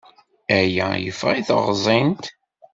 Aya yeffeɣ i teɣẓint.